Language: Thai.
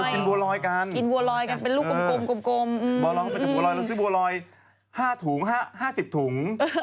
หรอกว่ากินบัวลอยกันกันมันน่ากลมบัวลอยเรารู้บัวลอย๕ถุง๕๐ถุง